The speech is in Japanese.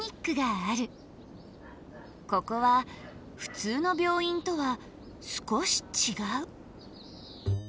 ここはふつうの病院とは少しちがう。